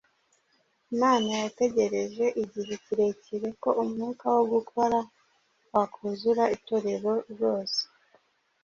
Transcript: Imana yategereje igihe kirekire ko umwuka wo gukora wakuzura Itorero ryose